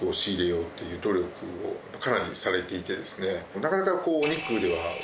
なかなか。